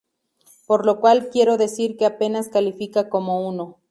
Por lo cual quiero decir que apenas califica como uno".